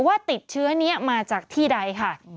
ว่าติดเชื้อนี้มาจากที่ใดค่ะ